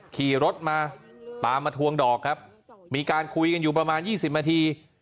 ขี่รถมาตามมาทวงดอกครับมีการคุยกันอยู่ประมาณ๒๐นาที